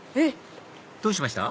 どうしました？